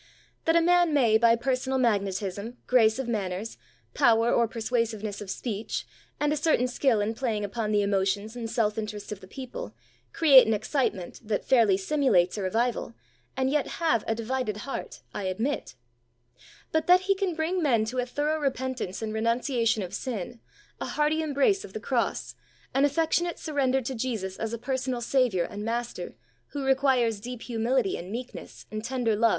That a man may by personal magnetism, grace of manners, power or persuasiveness of speech, and a certain skill in playing upon the emotions and self interest of the people, create an excitement that fairly simulates a revival, and yet have a divided heart, I admit; but that he can bring men to a thorough repentance and renunciation of sin, a hearty embrace of the Cross, an affectionate surrender to Jesus as a personal Saviour and Master who requires deep humility and meekness and tender love 92 THE soul winner's SECRET.